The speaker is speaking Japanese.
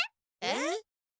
えっ？